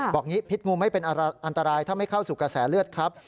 อย่างนี้พิษงูไม่เป็นอันตรายถ้าไม่เข้าสู่กระแสเลือดครับ